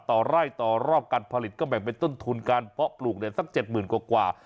ต่อไร่ต่อรอบการผลิตก็แบ่งเป็นต้นทุนการเพาะปลูกเนี่ยสัก๗๐๐กว่า